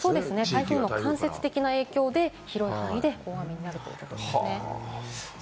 台風の間接的な影響で広い範囲に影響するということです。